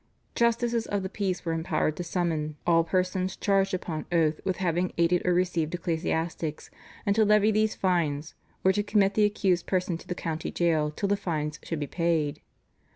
Justices of the peace were empowered to summon all persons charged upon oath with having aided or received ecclesiastics and to levy these fines, or to commit the accused person to the county jail till the fines should be paid.